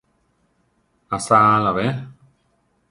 ¿Asáala be?